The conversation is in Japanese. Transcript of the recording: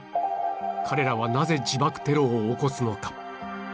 彼らはなぜ自爆テロを起こすのか？